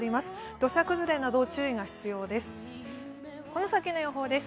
土砂崩れなど注意が必要です。